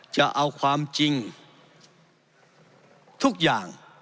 จะเอาความจริงทุกอย่าง